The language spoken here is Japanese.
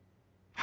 あ。